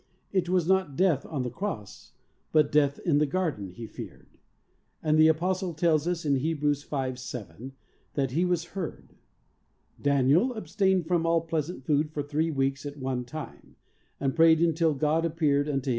It was not death on the Cross, but death in the garden He feared, and the apostle tells us, in Hebrews 5: 7, that he was heard. Daniel abstained from all pleasant food for three weeks at one time, and prayed until God appeared unto 24 THE soul winner's secret.